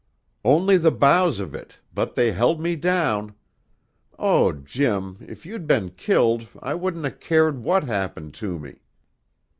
"Only the boughs of it, but they held me down. Oh, Jim, if you'd been killed I wouldn't 'a' cared what happened to me!"